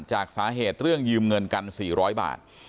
จากสาเหตุเรื่องยืมเงินกัน๔๐๐บาท